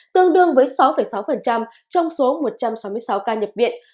tương đương với sáu sáu trong số một trăm sáu mươi sáu ca nhập viện